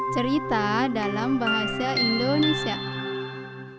cerita dalam bahasa indonesia